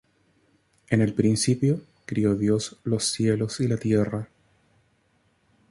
En el principio crió Dios los cielos y la tierra.